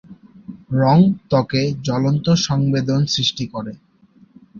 রং ত্বকে জ্বলন্ত সংবেদন সৃষ্টি করে।